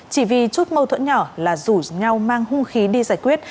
chỉ vì chút mâu thuẫn nhỏ là rủ nhau mang hung khí đi giải quyết